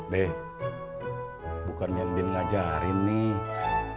be bukan yang ndin ngajarin nih